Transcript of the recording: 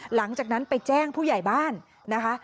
หลังจากนั้นไปแจ้งผู้ใหญ่บ้านนะคะ